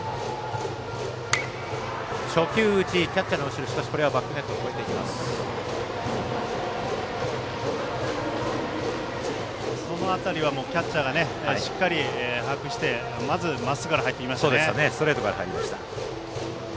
キャッチャーがしっかり把握してまず、まっすぐから入っていきましたね。